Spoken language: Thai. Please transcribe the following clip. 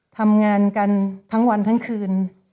ทำงานกันทั้งวันทั้งคืน